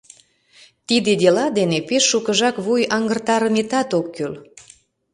Тиде дела дене пеш шукыжак вуй аҥыртарыметат ок кӱл...